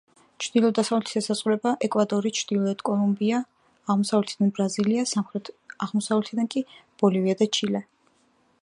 ჩრდილო-დასავლეთით ესაზღვრება ეკვადორი, ჩრდილოეთით კოლუმბია, აღმოსავლეთიდან ბრაზილია, სამხრეთ აღმოსავლეთიდან კი ბოლივია და ჩილე.